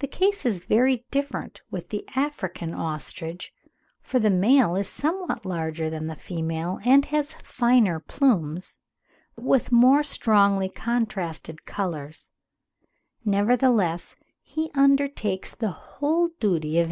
The case is very different with the African ostrich, for the male is somewhat larger than the female and has finer plumes with more strongly contrasted colours; nevertheless he undertakes the whole duty of incubation.